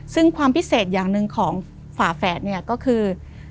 ซึ่งความพิเศษอย่างหนึ่งของฝาแฝดเนี่ยก็คือ